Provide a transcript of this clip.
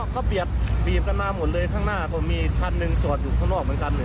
เขาเบียดบีบกันมาหมดเลยข้างหน้าก็มีคันหนึ่งจอดอยู่ข้างนอกเหมือนกัน